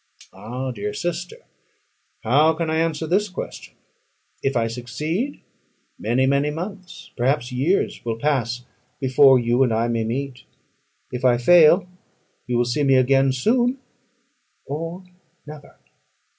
Ah, dear sister, how can I answer this question? If I succeed, many, many months, perhaps years, will pass before you and I may meet. If I fail, you will see me again soon, or never.